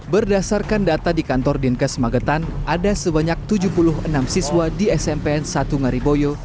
berdasarkan data di kantor dinkes magetan ada sebanyak tujuh puluh enam siswa di smpn satu ngariboyo